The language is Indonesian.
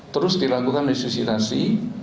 terus dilakukan resusitasi